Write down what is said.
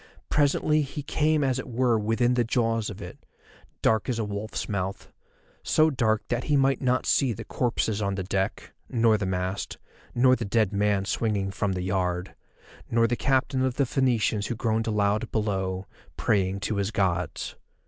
Presently he came as it were within the jaws of it, dark as a wolf's mouth, so dark that he might not see the corpses on the deck, nor the mast, nor the dead man swinging from the yard, nor the captain of the Phoenicians who groaned aloud below, praying to his gods.